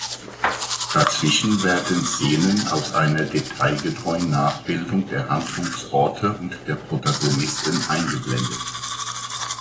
Dazwischen werden Szenen aus einer detailgetreuen Nachbildung der Handlungsorte und der Protagonisten eingeblendet.